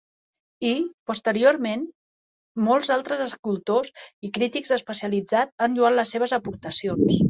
I, posteriorment, molts altres escultors i crítics especialitzats han lloat les seves aportacions.